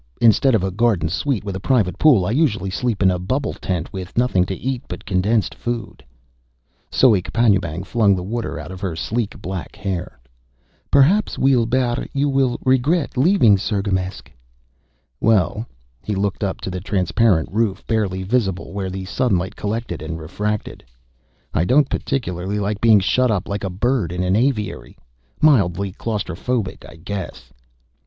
"Instead of a garden suite with a private pool, I usually sleep in a bubble tent, with nothing to eat but condensed food." Soek Panjoebang flung the water out of her sleek black hair. "Perhaps, Weelbrrr, you will regret leaving Cirgamesç?" "Well," he looked up to the transparent roof, barely visible where the sunlight collected and refracted, "I don't particularly like being shut up like a bird in an aviary.... Mildly claustrophobic, I guess."